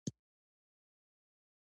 د دوه کلونو بند وروسته تقاعد کیدل.